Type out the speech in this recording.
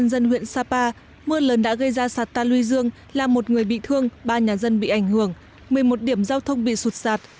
dân huyện sapa mưa lớn đã gây ra sạt ta luy dương làm một người bị thương ba nhà dân bị ảnh hưởng một mươi một điểm giao thông bị sụt sạt